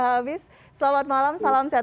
habis selamat malam salam sehat